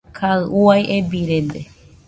Kaɨ uai ebirede.